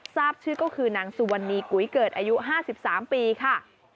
ทราบชื่อก็คือนางสุวรรณีกุยเกิดอายุ๕๓ปีค่ะ